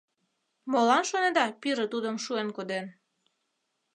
Молан шонеда пире тудым шуэн коден?